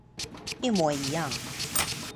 一模一樣